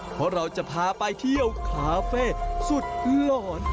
เพราะเราจะพาไปเที่ยวคาเฟ่สุดหลอน